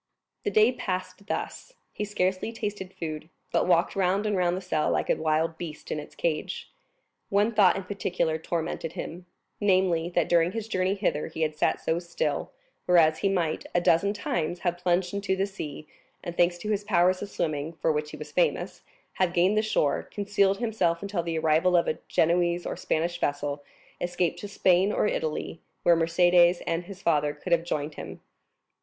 The day passed thus; he scarcely tasted food, but walked round and round the cell like a wild beast in its cage. One thought in particular tormented him: namely, that during his journey hither he had sat so still, whereas he might, a dozen times, have plunged into the sea, and, thanks to his powers of swimming, for which he was famous, have gained the shore, concealed himself until the arrival of a Genoese or Spanish vessel, escaped to Spain or Italy, where Mercédès and his father could have joined him.